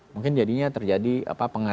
mungkin jadinya terjadi pengalaman